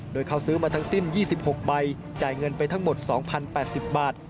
โดยเขาซื้อมาทั้งสิ้น๒๖ใบจ่ายเงินไปทั้งหมด๒๐๘๐บาท